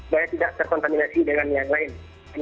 bahwa tidak terkontaminasi dengan yang lain